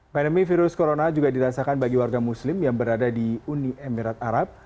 pandemi virus corona juga dirasakan bagi warga muslim yang berada di uni emirat arab